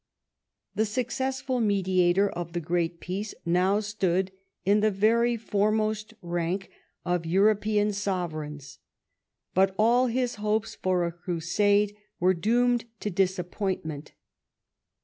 The successful mediator of the great peace now stood in the vcvy foremost rank of European sovereigns. But all his hopes for a Crusade were doomed to disappointment.